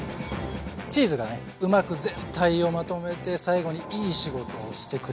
チーズがねうまく全体をまとめて最後にいい仕事をしてくれます。